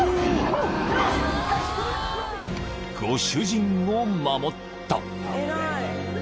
［ご主人を守った］